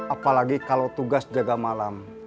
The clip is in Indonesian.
apalagi kalau tugas jaga malam